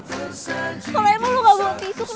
cintaku tak harus